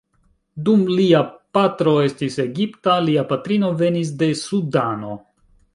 Dum lia patro estis Egipta, lia patrino venis de Sudano.